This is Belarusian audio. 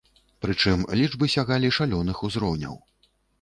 Прычым, лічбы сягалі шалёных узроўняў.